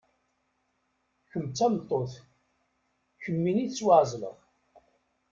kemm d tameṭṭut, kemmini tettwaɛezleḍ.